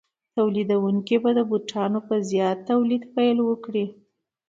تولیدونکي به د بوټانو په زیات تولید پیل وکړي